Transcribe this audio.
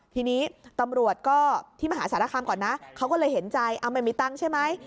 ทีนี้ตำรวจก็ที่มหาสารคามก่อนนะเขาก็เลยเห็นใจไม่มีตังค์ใช่ไหม